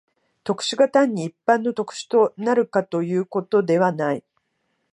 特殊が単に一般の特殊となるとかいうことではない。